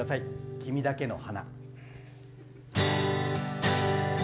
「君だけの花」。